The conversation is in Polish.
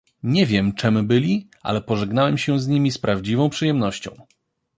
"Nie wiem, czem byli, ale pożegnałem się z nimi z prawdziwą przyjemnością."